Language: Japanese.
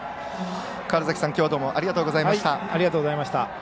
川原崎さん、きょうはどうもありがとうございました。